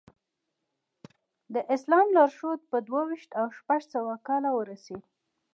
د اسلام لارښود په دوه ویشت او شپږ سوه کال ورسېد.